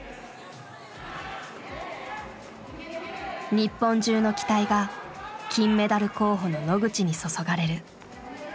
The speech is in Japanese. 日本中の期待が金メダル候補の野口に注がれる。